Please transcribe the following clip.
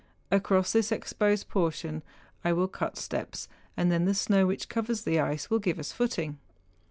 Across this exposed portion I will cut steps, and then the snow which covers the ice will give us footing.